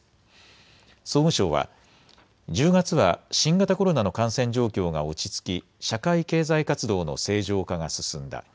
総務省は１０月は新型コロナの感染状況が落ち着き社会経済活動の正常化が進んだ。